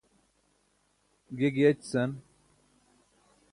ge giyaćican